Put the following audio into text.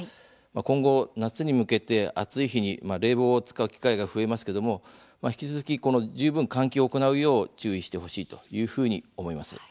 今後、夏に向けて暑い日に冷房を使う機会が増えますが引き続き十分、換気を行うよう注意してほしいというふうに思います。